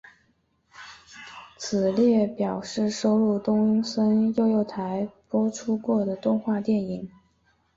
此列表示收录东森幼幼台播出过的动画电影。